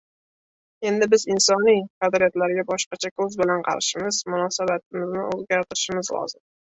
Endi biz insoniy qadriyatlarga boshqacha ko‘z bilan qarashimiz, munosabatimizni o‘zgartirishimiz lozim.